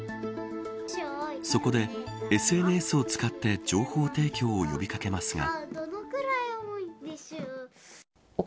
そこで、ＳＮＳを使って情報提供を呼び掛けますが。